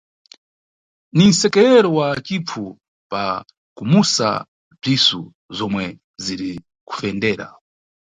Ni msekerero wa cipfu pa kumusa mpsisu zomwe ziri kufendera.